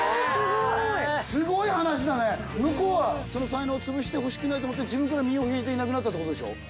スゴい向こうはその才能潰してほしくないと思って自分から身を引いていなくなったってことでしょ？